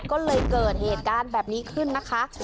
ก็เลยเกิดเหตุการณ์แบบนี้ขึ้นนะคะ